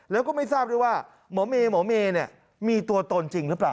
แล้วก็ไม่ทราบด้วยว่าหมอเมย์หมอเมย์มีตัวตนจริงหรือเปล่า